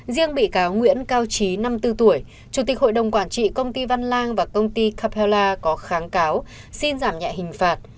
riêng bị cáo nguyễn cao trí năm mươi bốn tuổi chủ tịch hội đồng quản trị công ty văn lang và công ty capella có kháng cáo xin giảm nhẹ hình phạt